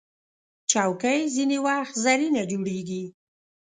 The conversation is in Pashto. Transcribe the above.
چوکۍ ځینې وخت زرینه جوړیږي.